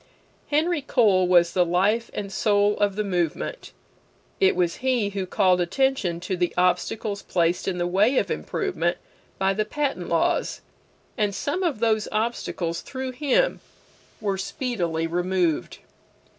Henry Cole was the life and soul of the movement. It was he who called attention to the obstacles placed in the way of improvement by the patent laws, and some of those obstacles, through him, were speedily removed.